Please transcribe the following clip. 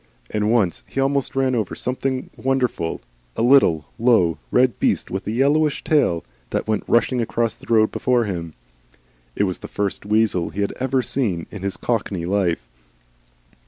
And once he almost ran over something wonderful, a little, low, red beast with a yellowish tail, that went rushing across the road before him. It was the first weasel he had ever seen in his cockney life.